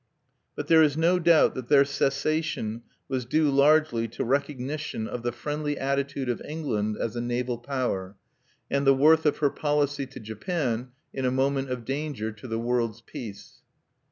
But there is no doubt that their cessation was due largely to recognition of the friendly attitude of England as a naval power, and the worth of her policy to Japan in a moment of danger to the world's peace.